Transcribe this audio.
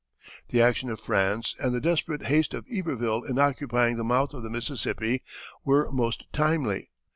The action of France and the desperate haste of Iberville in occupying the mouth of the Mississippi were most timely.